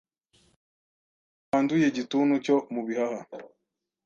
Umuntu wanduye igituntu cyo mu bihaha